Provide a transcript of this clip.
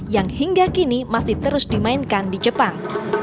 yang hingga kini masih terus dimainkan di jepang